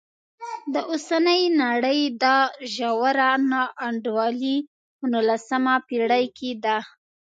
د اوسنۍ نړۍ دا ژوره نا انډولي په نولسمه پېړۍ کې ده.